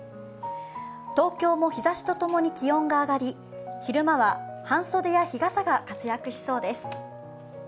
東京も日ざしと共に気温が上がり昼間は半袖や日傘が活躍しそうです。